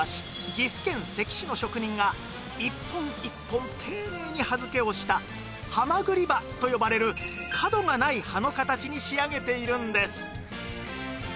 岐阜県関市の職人が１本１本丁寧に刃付けをしたハマグリ刃と呼ばれる角がない刃の形に仕上げているんです